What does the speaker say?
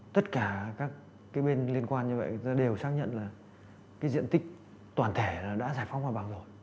tất cả các cái bên liên quan như vậy người ta đều xác nhận là cái diện tích toàn thể là đã giải phóng mặt bằng rồi